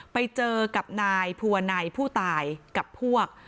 ไปเจอกับนายภูวนัยผู้ตายกับพวก